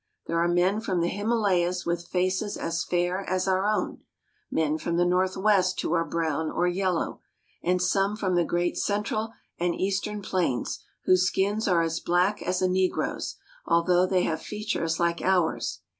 There are men from the Himalayas with faces as fair as our own, men from the northwest who are brown or yellow, and some' from the great central and eastern plains whose skins are as black as a negro's, although they have fea tures like ours.